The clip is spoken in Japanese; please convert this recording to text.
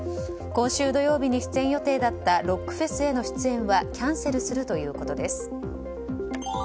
今週土曜日に出演予定だったロックフェスへの出演はキャンセルするということです。